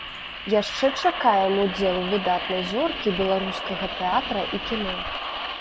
Яшчэ чакаем удзелу выдатнай зоркі беларускага тэатра і кіно!